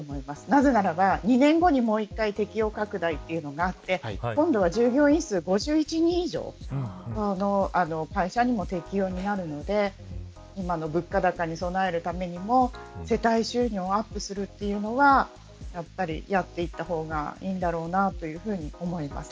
なぜなら２年後にもう１回適用拡大があって今度は、従業員数５１人以上の会社にも適用になるので今の物価高に備えるためにも世帯収入をアップするというのはやっていった方がいいんだろうなと思います。